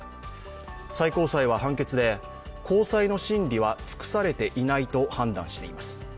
最高裁は判決で、高裁の審理は尽くされていないと判断しました。